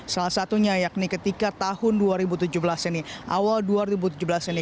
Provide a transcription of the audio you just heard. salah satunya yakni ketika tahun dua ribu tujuh belas ini awal dua ribu tujuh belas ini